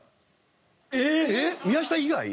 宮下以外？